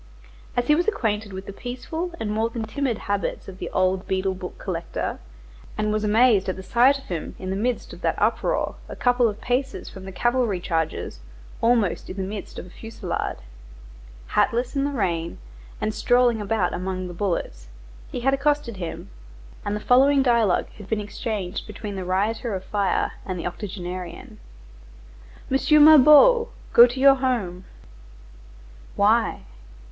As he was acquainted with the peaceful and more than timid habits of the old beadle book collector, and was amazed at the sight of him in the midst of that uproar, a couple of paces from the cavalry charges, almost in the midst of a fusillade, hatless in the rain, and strolling about among the bullets, he had accosted him, and the following dialogue had been exchanged between the rioter of fire and the octogenarian:— "M. Mabeuf, go to your home." "Why?"